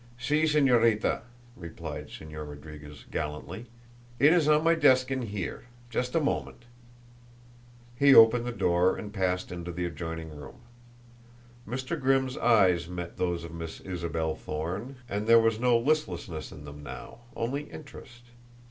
"Si, Señorita," replied Señor Rodriguez gallantly. "It is on my desk in here. Just a moment." He opened the door and passed into the adjoining room. Mr. Grimm's eyes met those of Miss Isabel Thorne, and there was no listlessness in them now, only interest.